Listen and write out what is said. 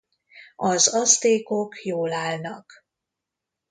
Az Aztékok jól állnak.